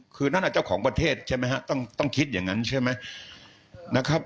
คือนั่นเจ้าของประเทศใช่ไหมฮะต้องคิดอย่างนั้นใช่ไหมนะครับ